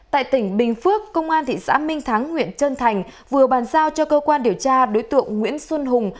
tại tỉnh bình phước công an thị xã minh thắng huyện trơn thành vừa bàn giao cho cơ quan điều tra đối tượng nguyễn xuân hùng